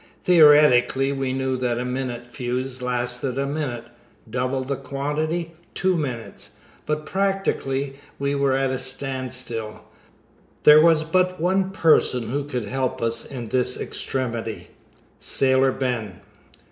Theoretically we knew that a minute fuse lasted a minute; double the quantity, two minutes; but practically we were at a stand still. There was but one person who could help us in this extremity Sailor Ben.